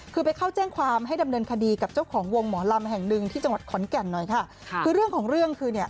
คือไปเข้าแจ้งความให้ดำเนินคดีกับเจ้าของวงหมอลำแห่งหนึ่งที่จังหวัดขอนแก่นหน่อยค่ะคือเรื่องของเรื่องคือเนี่ย